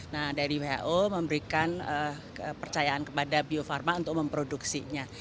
nah dari who memberikan kepercayaan kepada bio farma untuk memproduksinya